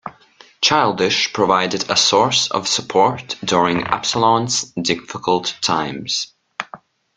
Childish provided a source of support during Absolon's difficult times.